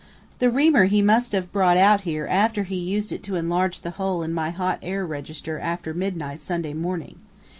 The reamer he must have brought out here after he used it to enlarge the hole in my hot air register after midnight Sunday morning.